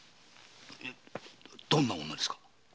どんな女ですか？